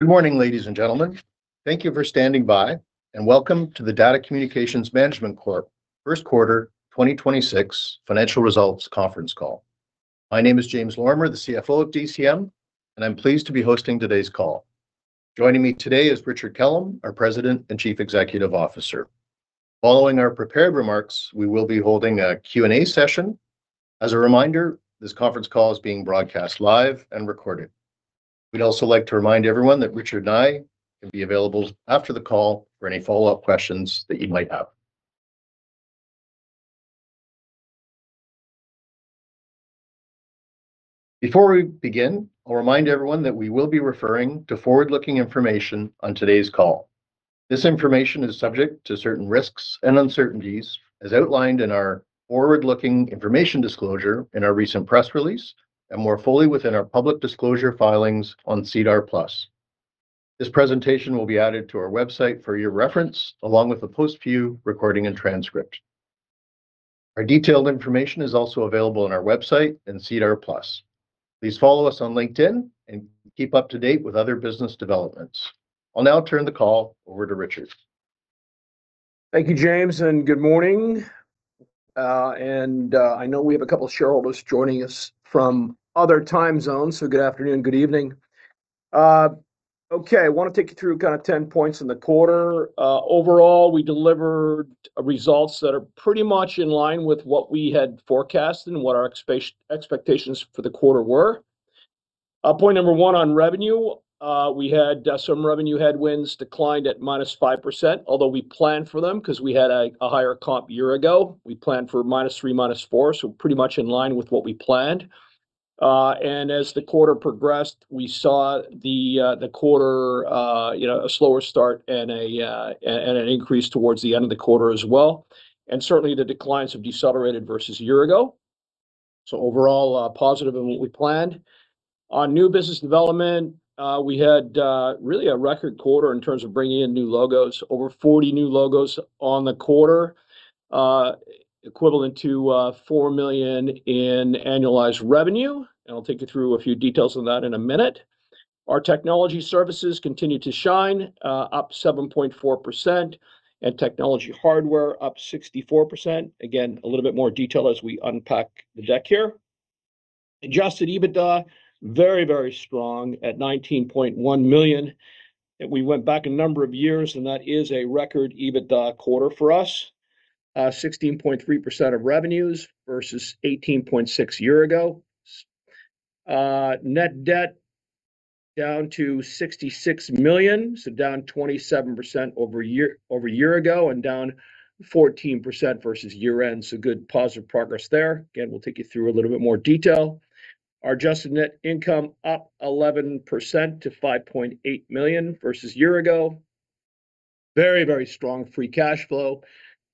Good morning, ladies and gentlemen. Thank you for standing by, and welcome to the DATA Communications Management Corp first quarter 2026 financial results conference call. My name is James Lorimer, the CFO of DCM, and I'm pleased to be hosting today's call. Joining me today is Richard Kellam, our President and Chief Executive Officer. Following our prepared remarks, we will be holding a Q&A session. As a reminder, this conference call is being broadcast live and recorded. We'd also like to remind everyone that Richard and I will be available after the call for any follow-up questions that you might have. Before we begin, I'll remind everyone that we will be referring to forward-looking information on today's call. This information is subject to certain risks and uncertainties as outlined in our forward-looking information disclosure in our recent press release, and more fully within our public disclosure filings on SEDAR+. This presentation will be added to our website for your reference, along with a post-view recording and transcript. Our detailed information is also available on our website and SEDAR+. Please follow us on LinkedIn and keep up to date with other business developments. I'll now turn the call over to Richard. Thank you, James, and good morning. I know we have a couple shareholders joining us from other time zones, so good afternoon, good evening. Okay. I want to take you through kind of 10 points in the quarter. Overall, we delivered results that are pretty much in line with what we had forecasted and what our expectations for the quarter were. Point number one on revenue, we had some revenue headwinds declined at -5%, although we planned for them 'cause we had a higher comp year ago. We planned for -3% to -4%, so pretty much in line with what we planned. As the quarter progressed, we saw the quarter, you know, a slower start and an increase towards the end of the quarter as well. Certainly the declines have decelerated versus a year ago. Overall, positive in what we planned. On new business development, we had really a record quarter in terms of bringing in new logos. Over 40 new logos on the quarter, equivalent to 4 million in annualized revenue. I'll take you through a few details on that in a minute. Our technology services continued to shine, up 7.4%, and technology hardware up 64%. Again, a little bit more detail as we unpack the deck here. Adjusted EBITDA, very, very strong at 19.1 million. If we went back a number of years, that is a record EBITDA quarter for us. 16.3% of revenues versus 18.6% a year ago. Net debt down to 66 million, down 27% over a year, over a year ago and down 14% versus year-end. Good positive progress there. Again, we'll take you through a little bit more detail. Our adjusted net income up 11% to 5.8 million versus a year ago. Very, very strong free cash flow.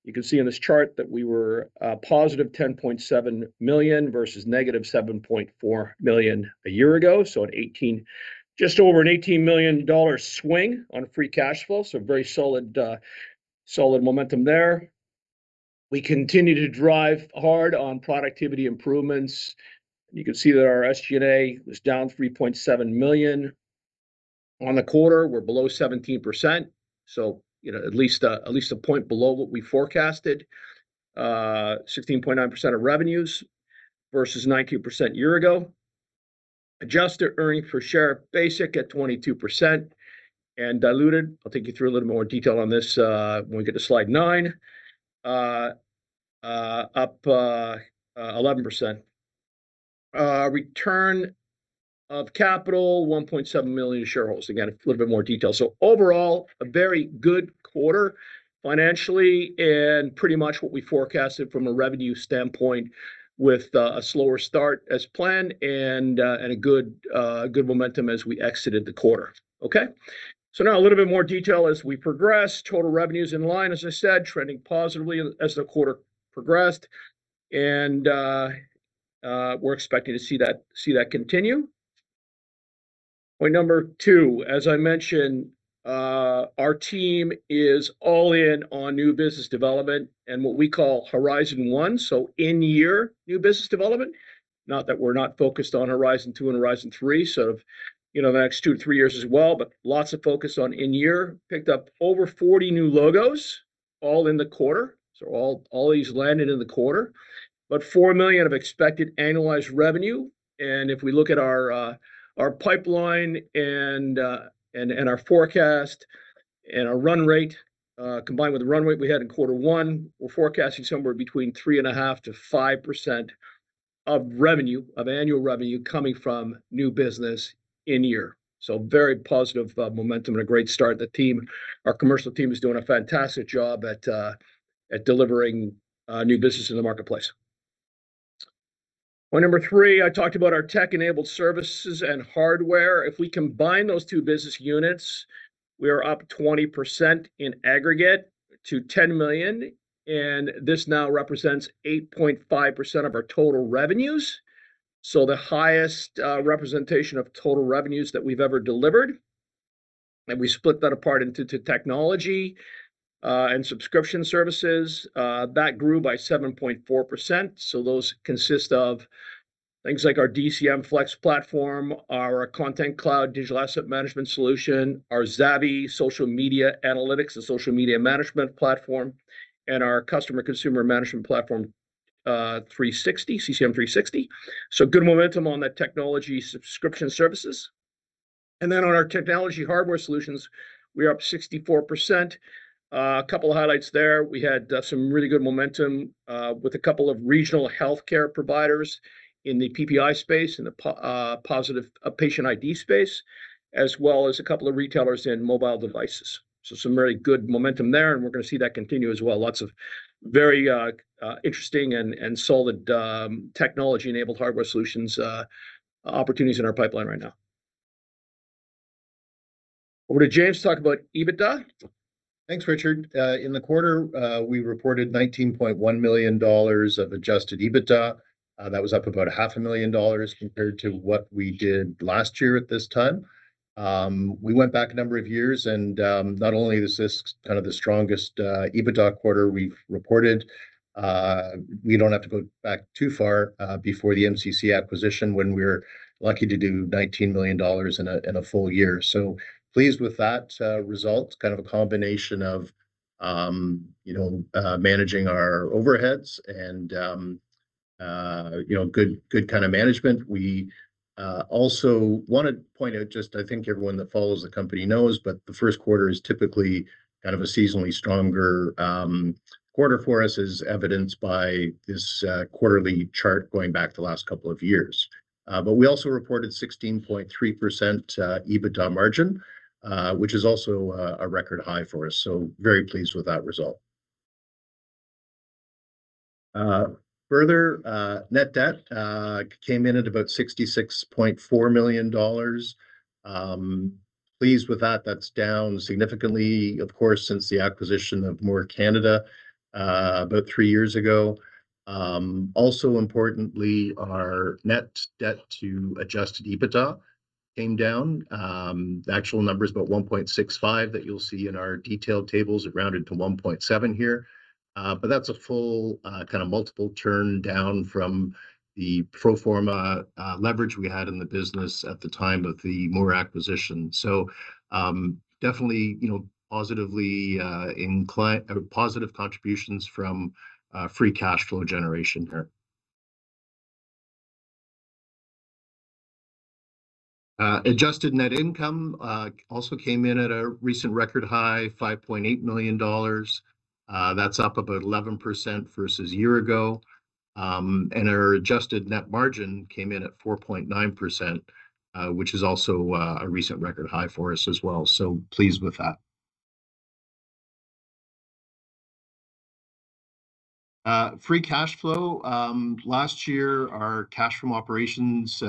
You can see in this chart that we were +10.7 million versus -7.4 million a year ago. Just over a 18 million dollar swing on free cash flow, so very solid momentum there. We continue to drive hard on productivity improvements. You can see that our SG&A was down 3.7 million. On the quarter, we're below 17%, so you know, at least a point below what we forecasted, 16.9% of revenues versus 19% year ago. Adjusted earnings per share basic at 22% and diluted. I'll take you through a little more detail on this when we get to slide nine up 11%. Return of capital, 1.7 million to shareholders. Again, a little bit more detail. Overall, a very good quarter financially and pretty much what we forecasted from a revenue standpoint with a slower start as planned and a good momentum as we exited the quarter. Okay? Now a little bit more detail as we progress. Total revenues in line, as I said, trending positively as the quarter progressed, we're expecting to see that continue. Point number two, as I mentioned, our team is all in on new business development and what we call Horizon One, so in-year new business development. Not that we're not focused on Horizon Two and Horizon Three, sort of, you know, the next two to three years as well, lots of focus on in year. Picked up over 40 new logos all in the quarter. All these landed in the quarter. About 4 million of expected annualized revenue. If we look at our pipeline and our forecast and our run rate, combined with the run rate we had in Q1, we're forecasting somewhere between 3.5%-5% of revenue, of annual revenue coming from new business in year. Very positive momentum and a great start. Our commercial team is doing a fantastic job at delivering new business in the marketplace. Point number three, I talked about our tech-enabled services and hardware. If we combine those two business units, we are up 20% in aggregate to 10 million, and this now represents 8.5% of our total revenues. The highest representation of total revenues that we've ever delivered. We split that apart into technology and subscription services. That grew by 7.4%, so those consist of things like our DCMFlex platform, our contentcloud Digital Asset Management solution, our Zavy social media analytics and social media management platform, and our Customer Communication Management platform 360, CCM360. Good momentum on the technology subscription services. On our technology hardware solutions, we're up 64%. A couple highlights there. We had some really good momentum with a couple of regional healthcare providers in the PPID space and the positive patient ID space, as well as a couple of retailers in mobile devices. Some very good momentum there, and we're gonna see that continue as well. Lots of very interesting and solid technology-enabled hardware solutions opportunities in our pipeline right now. Over to James to talk about EBITDA. Thanks, Richard. In the quarter, we reported 19.1 million dollars of adjusted EBITDA. That was up about 500,000 dollars compared to what we did last year at this time. We went back a number of years and, not only is this kind of the strongest EBITDA quarter we've reported, we don't have to go back too far before the MCC acquisition when we were lucky to do 19 million dollars in a full year. Pleased with that result. Kind of a combination of, you know, managing our overheads and, you know, good kinda management. We also want to point out just, I think everyone that follows the company knows, the first quarter is typically kind of a seasonally stronger quarter for us, as evidenced by this quarterly chart going back the last couple of years. We also reported 16.3% EBITDA margin, which is also a record high for us. Very pleased with that result. Further, net debt came in at about 66.4 million dollars. Pleased with that. That's down significantly, of course, since the acquisition of Moore Canada, about three years ago. Also importantly, our net debt to adjusted EBITDA came down. The actual number's about 1.65x that you'll see in our detailed tables, rounded to 1.7x here. That's a full, kinda multiple turn down from the pro forma leverage we had in the business at the time of the Moore acquisition. Definitely, you know, positively, positive contributions from free cash flow generation here. Adjusted net income also came in at a recent record high, 5.8 million dollars. That's up about 11% versus a year ago. Our adjusted net margin came in at 4.9%, which is also a recent record high for us as well. Pleased with that. Free cash flow. Last year, our cash from operations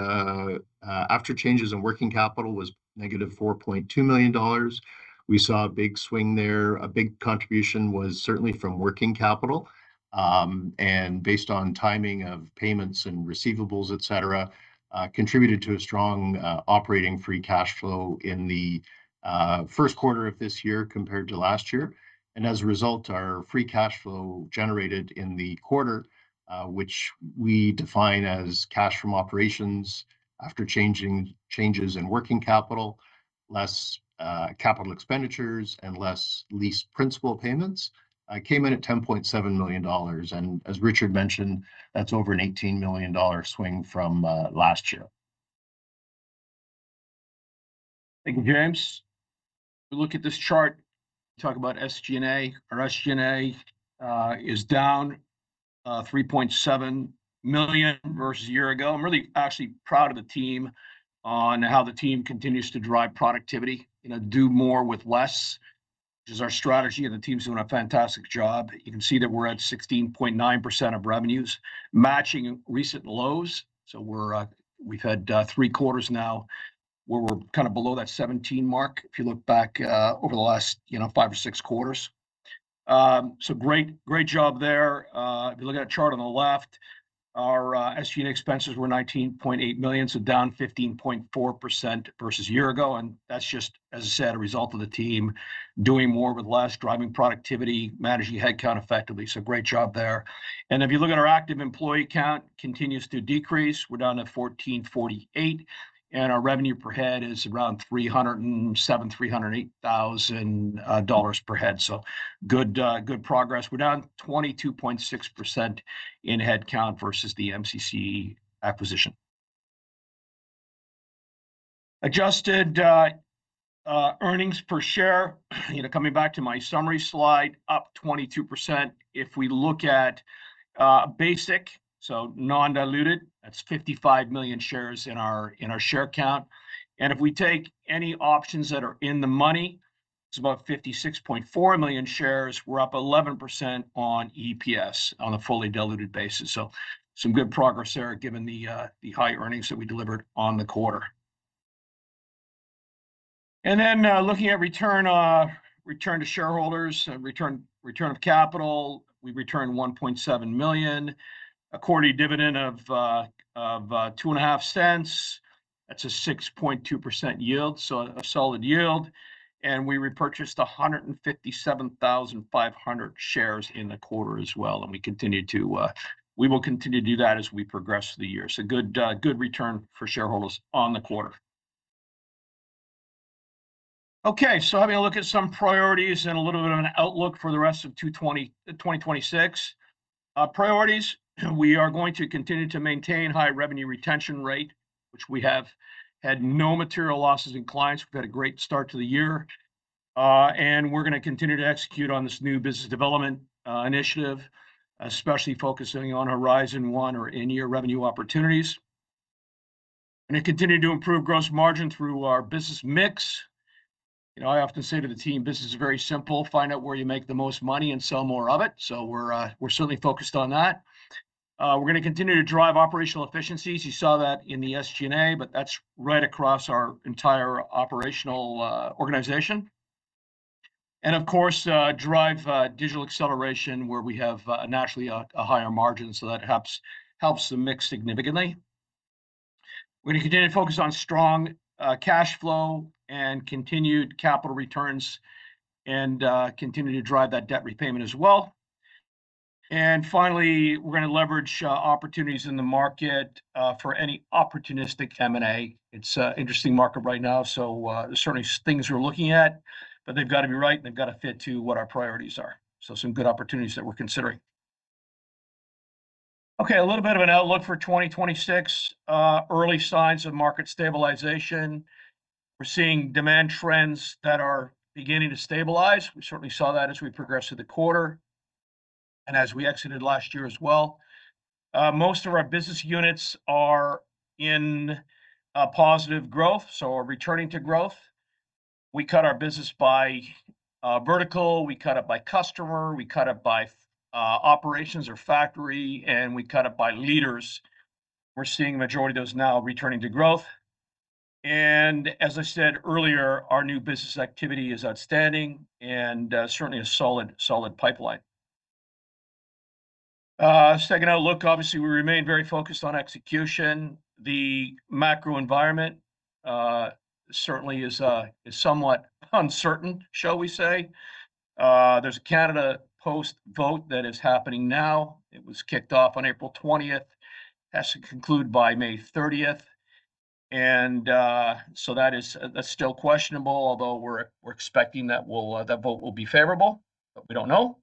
after changes in working capital was -4.2 million dollars. We saw a big swing there. A big contribution was certainly from working capital, based on timing of payments and receivables, et cetera, contributed to a strong operating free cash flow in the first quarter of this year compared to last year. Our free cash flow generated in the quarter, which we define as cash from operations after changes in working capital, less capital expenditures, and less lease principal payments, came in at 10.7 million dollars. As Richard mentioned, that's over a 18 million dollar swing from last year. Thank you, James. If you look at this chart, talk about SG&A. Our SG&A is down 3.7 million versus a year ago. I'm really actually proud of the team on how the team continues to drive productivity. You know, do more with less, which is our strategy, and the team's doing a fantastic job. You can see that we're at 16.9% of revenues, matching recent lows. We've had three quarters now where we're kind of below that 17 mark, if you look back over the last, you know, five or six quarters. Great job there. If you look at the chart on the left, our SG&A expenses were 19.8 million, down 15.4% versus a year ago. That's just, as I said, a result of the team doing more with less, driving productivity, managing headcount effectively, so great job there. If you look at our active employee count, continues to decrease. We're down to 1,448, and our revenue per head is around 307,000-308,000 dollars per head. Good, good progress. We're down 22.6% in headcount versus the MCC acquisition. Adjusted earnings per share, you know, coming back to my summary slide, up 22%. If we look at basic, so non-diluted, that's 55 million shares in our share count. If we take any options that are in the money, it's about 56.4 million shares. We're up 11% on EPS on a fully diluted basis. Some good progress there, given the high earnings that we delivered on the quarter. Then, looking at return to shareholders and return of capital, we returned 1.7 million. A quarterly dividend of $0.025. That's a 6.2% yield, so a solid yield, and we repurchased 157,500 shares in the quarter as well, and we will continue to do that as we progress through the year. Good, good return for shareholders on the quarter. Having a look at some priorities and a little bit of an outlook for the rest of 2026. Priorities, we are going to continue to maintain high revenue retention rate, which we have had no material losses in clients. We've had a great start to the year. We're gonna continue to execute on this new business development initiative, especially focusing on Horizon One or in-year revenue opportunities. Gonna continue to improve gross margin through our business mix. You know, I often say to the team, "Business is very simple. Find out where you make the most money and sell more of it." We're certainly focused on that. We're gonna continue to drive operational efficiencies. You saw that in the SG&A, but that's right across our entire operational organization. Of course, drive digital acceleration where we have naturally a higher margin, that helps the mix significantly. We're gonna continue to focus on strong cash flow and continued capital returns and continue to drive that debt repayment as well. Finally, we're gonna leverage opportunities in the market for any opportunistic M&A. It's a interesting market right now, there's certainly things we're looking at, but they've gotta be right, and they've gotta fit to what our priorities are. Some good opportunities that we're considering. A little bit of an outlook for 2026. Early signs of market stabilization. We're seeing demand trends that are beginning to stabilize. We certainly saw that as we progressed through the quarter and as we exited last year as well. Most of our business units are in positive growth, are returning to growth. We cut our business by vertical, we cut it by customer, we cut it by operations or factory, and we cut it by leaders. We're seeing the majority of those now returning to growth. As I said earlier, our new business activity is outstanding, and certainly a solid pipeline. Second outlook, obviously we remain very focused on execution. The macro environment certainly is somewhat uncertain, shall we say. There's a Canada Post vote that is happening now. It was kicked off on April 20th. It has to conclude by May 30th. That is that's still questionable, although we're expecting that will that vote will be favorable, but we don't know.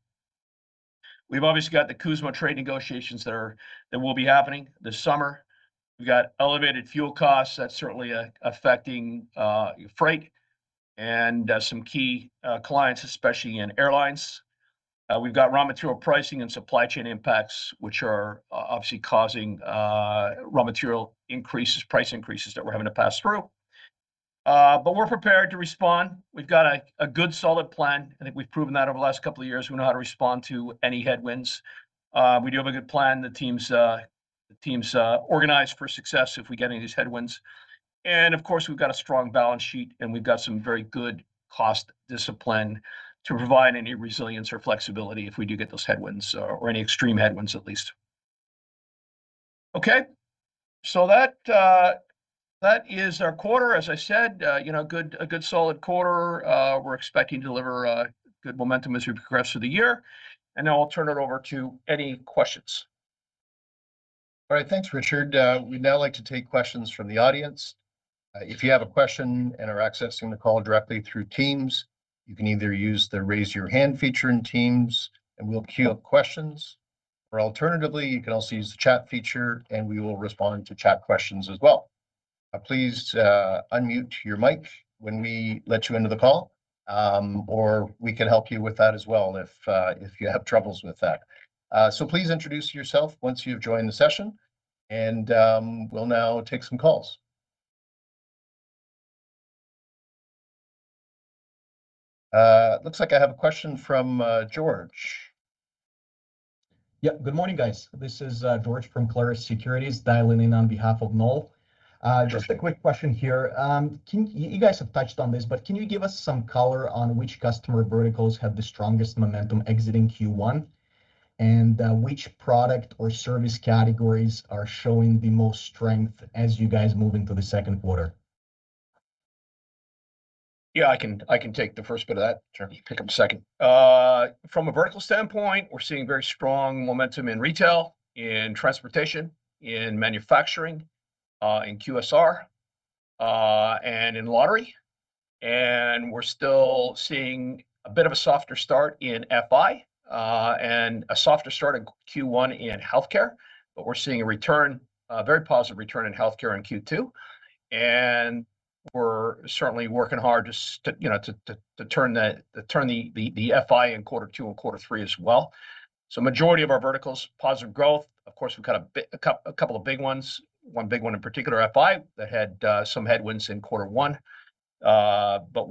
We've obviously got the CUSMA trade negotiations that are, that will be happening this summer. We've got elevated fuel costs. That's certainly affecting freight and some key clients, especially in airlines. We've got raw material pricing and supply chain impacts, which are obviously causing raw material increases, price increases that we're having to pass through. We're prepared to respond. We've got a good solid plan, and we've proven that over the last couple of years. We know how to respond to any headwinds. We do have a good plan. The teams organize for success if we get any of these headwinds. Of course, we've got a strong balance sheet, and we've got some very good cost discipline to provide any resilience or flexibility if we do get those headwinds or any extreme headwinds at least. That is our quarter. As I said, you know, a good solid quarter. We're expecting to deliver a good momentum as we progress through the year. Now I'll turn it over to any questions. All right. Thanks, Richard. We'd now like to take questions from the audience. If you have a question and are accessing the call directly through Teams, you can either use the Raise Your Hand feature in Teams, and we'll queue up questions, or alternatively, you can also use the chat feature, and we will respond to chat questions as well. Please unmute your mic when we let you into the call, or we can help you with that as well if you have troubles with that. Please introduce yourself once you've joined the session, and we'll now take some calls. Looks like I have a question from George. Yeah. Good morning, guys. This is George from Clarus Securities, dialing in on behalf of Noel. Sure. Just a quick question here. You guys have touched on this, but can you give us some color on which customer verticals have the strongest momentum exiting Q1, and which product or service categories are showing the most strength as you guys move into the second quarter? Yeah, I can take the first bit of that. Sure. You pick up the second. From a vertical standpoint, we're seeing very strong momentum in retail, in transportation, in manufacturing, in QSR, and in lottery. We're still seeing a bit of a softer start in FI, and a softer start in Q1 in healthcare, but we're seeing a return, a very positive return in healthcare in Q2. We're certainly working hard, you know, to turn the FI in Q2 and Q3 as well. Majority of our verticals, positive growth. Of course, we've got a couple of big ones. One big one in particular, FI, that had some headwinds in Q1. But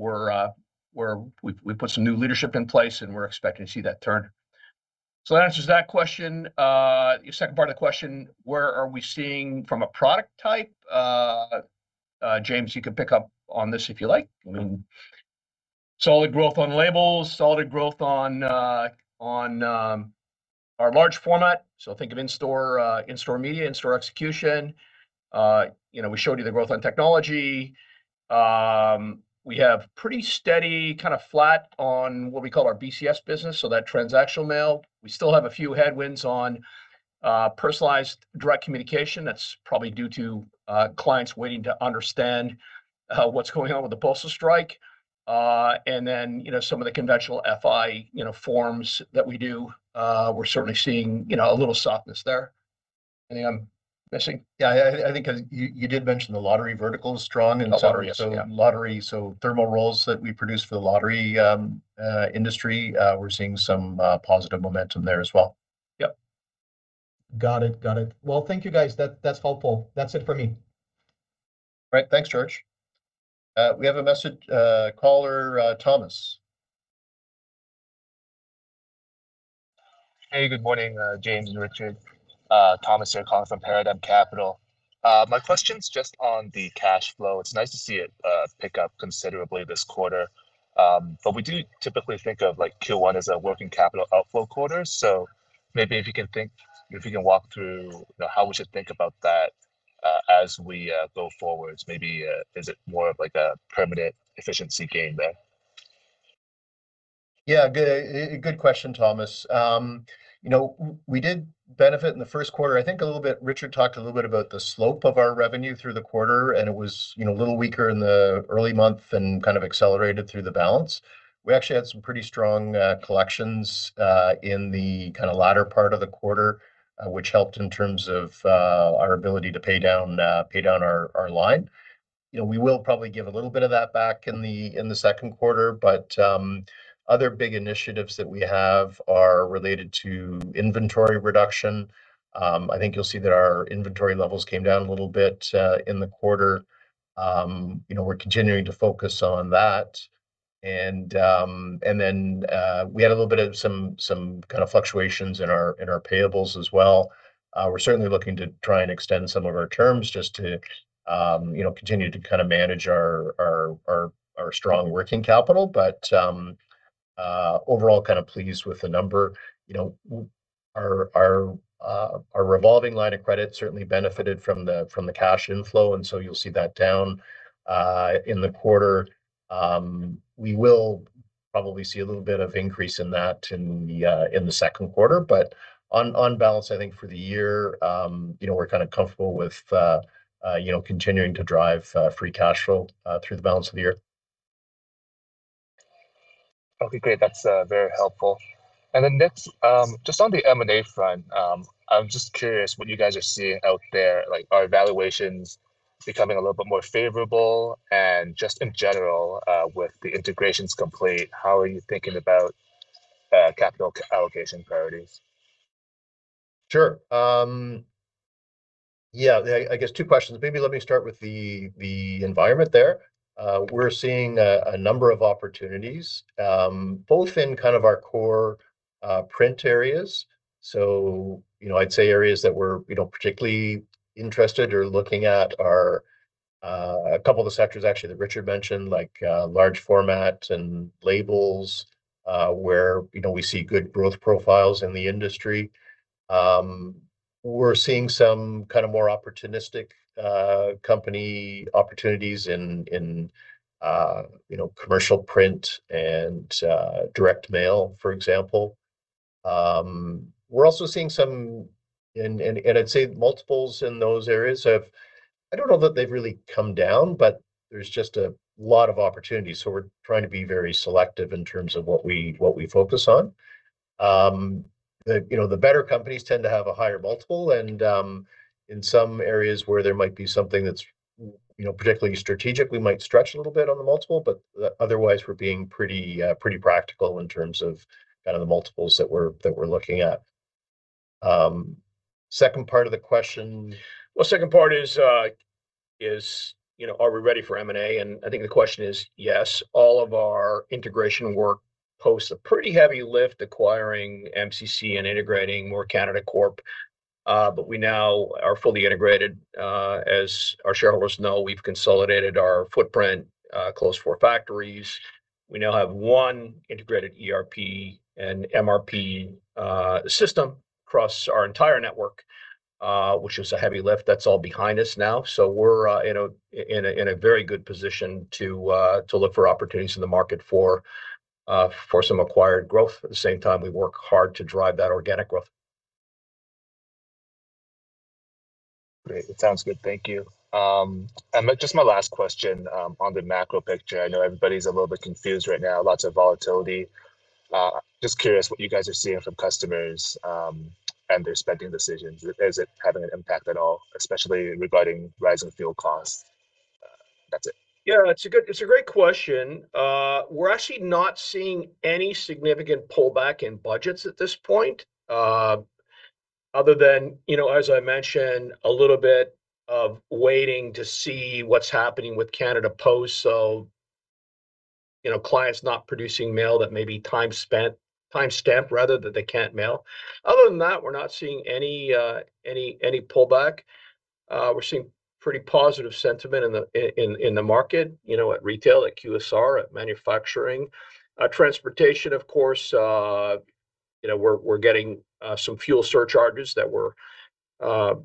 we've put some new leadership in place, and we're expecting to see that turn. That answers that question. Your second part of the question, where are we seeing from a product type? James, you can pick up on this if you like. I mean, solid growth on labels, solid growth on our large format. So think of in-store, in-store media, in-store execution. You know, we showed you the growth on technology. We have pretty steady, kind of flat on what we call our BCS business, so that transactional mail. We still have a few headwinds on personalized direct communication. That's probably due to clients waiting to understand what's going on with the postal strike. You know, some of the conventional FI, you know, forms that we do, we're certainly seeing, you know, a little softness there. Anything I'm missing? I think you did mention the lottery vertical is strong. Lottery, yes. Yeah. Thermal rolls that we produce for the lottery industry, we're seeing some positive momentum there as well. Yep. Got it. Got it. Well, thank you, guys. That, that's helpful. That's it for me. Right. Thanks, George. We have a message caller, Thomas. Hey, good morning, James and Richard. Thomas here calling from Paradigm Capital. My question's just on the cash flow. It's nice to see it pick up considerably this quarter. We do typically think of, like, Q1 as a working capital outflow quarter. Maybe if you can walk through, you know, how we should think about that as we go forward. Maybe, is it more of, like, a permanent efficiency gain there? Good question, Thomas. You know, we did benefit in the first quarter. I think a little bit, Richard talked a little bit about the slope of our revenue through the quarter. It was, you know, a little weaker in the early month and kind of accelerated through the balance. We actually had some pretty strong collections in the kind of latter part of the quarter, which helped in terms of our ability to pay down our line. You know, we will probably give a little bit of that back in the second quarter. Other big initiatives that we have are related to inventory reduction. I think you'll see that our inventory levels came down a little bit in the quarter. You know, we're continuing to focus on that. We had a little bit of some kind of fluctuations in our payables as well. We're certainly looking to try and extend some of our terms just to, you know, continue to kind of manage our strong working capital. Overall kind of pleased with the number. You know, our revolving line of credit certainly benefited from the cash inflow, and so you'll see that down in the quarter. We will probably see a little bit of increase in that in the second quarter. On balance, I think for the year, you know, we're kind of comfortable with, you know, continuing to drive free cash flow through the balance of the year. Okay, great. That's very helpful. Next, just on the M&A front, I'm just curious what you guys are seeing out there. Like, are evaluations becoming a little bit more favorable? Just in general, with the integrations complete, how are you thinking about capital allocation priorities? Sure. Two questions. Maybe let me start with the environment there. We're seeing a number of opportunities, both in kind of our core print areas. You know, I'd say areas that we're, you know, particularly interested or looking at are a couple of the sectors actually that Richard mentioned, like large format and labels, where, you know, we see good growth profiles in the industry. We're seeing some kind of more opportunistic company opportunities in, you know, commercial print and direct mail, for example. We're also seeing some and I'd say multiples in those areas have, I don't know that they've really come down, but there's just a lot of opportunities, we're trying to be very selective in terms of what we focus on. The, you know, the better companies tend to have a higher multiple, and in some areas where there might be something that's, you know, particularly strategic, we might stretch a little bit on the multiple. Otherwise we're being pretty practical in terms of kind of the multiples that we're, that we're looking at. Second part of the question? Well, second part is, you know, are we ready for M&A? I think the question is, yes, all of our integration work posed a pretty heavy lift acquiring MCC and integrating Moore Canada Corp. We now are fully integrated. As our shareholders know, we've consolidated our footprint, closed four factories. We now have one integrated ERP and MRP system across our entire network, which was a heavy lift. That's all behind us now. We're in a very good position to look for opportunities in the market for some acquired growth. At the same time, we work hard to drive that organic growth. Great. It sounds good. Thank you. Just my last question on the macro picture. I know everybody's a little bit confused right now, lots of volatility. Just curious what you guys are seeing from customers and their spending decisions. Is it having an impact at all, especially regarding rising fuel costs? That's it. It's a great question. We're actually not seeing any significant pullback in budgets at this point, other than, you know, as I mentioned, a little bit of waiting to see what's happening with Canada Post. You know, clients not producing mail that may be time spent, time stamped rather, that they can't mail. Other than that, we're not seeing any pullback. We're seeing pretty positive sentiment in the market, you know, at retail, at QSR, at manufacturing. Transportation, of course, you know, we're getting some fuel surcharges that we're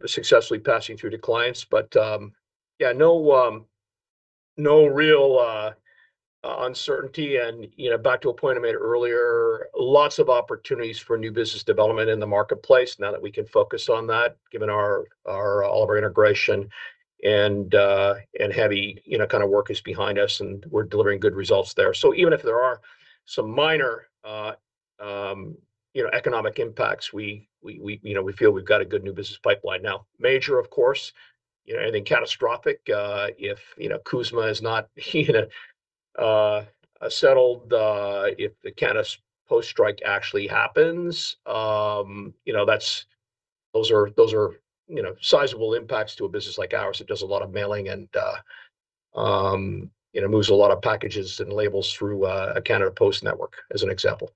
successfully passing through to clients. No real uncertainty. You know, back to a point I made earlier, lots of opportunities for new business development in the marketplace now that we can focus on that given all of our integration and heavy, you know, kind of work is behind us, and we're delivering good results there. Even if there are some minor, you know, economic impacts, you know, we feel we've got a good new business pipeline now. Major, of course, you know, anything catastrophic, if, you know, CUSMA is not you know, settled, if the Canada Post strike actually happens, you know, that's, those are, you know, sizable impacts to a business like ours that does a lot of mailing, and, you know, moves a lot of packages and labels through a Canada Post network as an example.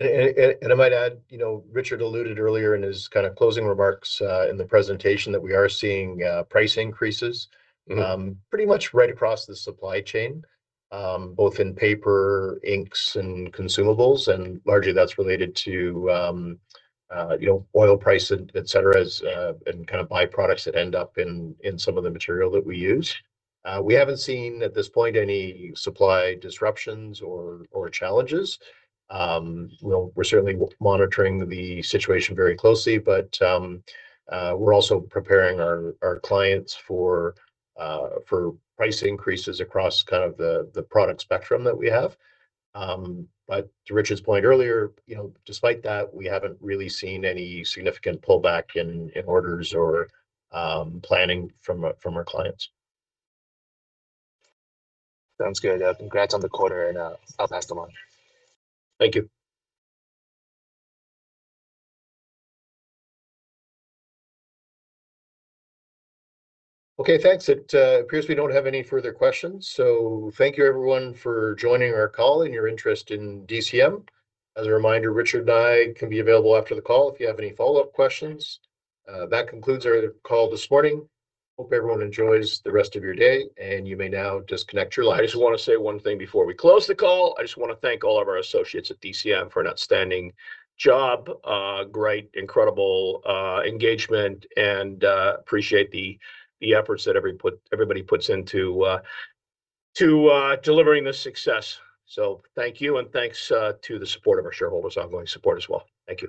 I might add, you know, Richard alluded earlier in his kind of closing remarks, in the presentation that we are seeing, price increases. Pretty much right across the supply chain, both in paper, inks, and consumables, and largely that's related to, you know, oil price et cetera, as and kind of byproducts that end up in some of the material that we use. We haven't seen at this point any supply disruptions or challenges. We'll, we're certainly monitoring the situation very closely, but we're also preparing our clients for price increases across kind of the product spectrum that we have. To Richard's point earlier, you know, despite that, we haven't really seen any significant pullback in orders or planning from our clients. Sounds good. Congrats on the quarter and, I'll pass it along. Thank you. Okay, thanks. It appears we don't have any further questions. Thank you everyone for joining our call and your interest in DCM. As a reminder, Richard and I can be available after the call if you have any follow-up questions. That concludes our call this morning. Hope everyone enjoys the rest of your day. You may now disconnect your lines. I just wanna say one thing before we close the call. I just wanna thank all of our associates at DCM for an outstanding job, great, incredible engagement, and appreciate the efforts that everybody puts into delivering this success. Thank you, and thanks to the support of our shareholders' ongoing support as well. Thank you.